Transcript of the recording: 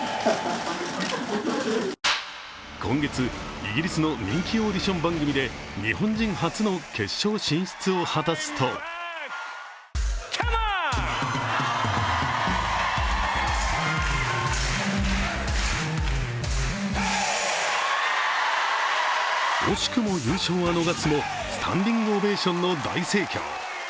今月、イギリスの人気オーディション番組で日本人初の決勝進出を果たすと惜しくも優勝は逃すも、スタンディングオベーションの大盛況。